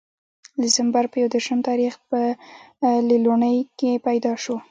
د دسمبر پۀ يو ديرشم تاريخ پۀ ليلوڼۍ کښې پېداشو